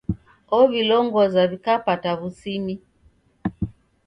Ow'ilongoza w'ikapata w'usimi.